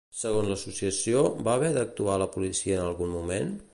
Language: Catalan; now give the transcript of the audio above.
Segons l'associació, va haver d'actuar la policia en algun moment?